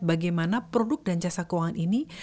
bagaimana produk dan jasa keuangan ini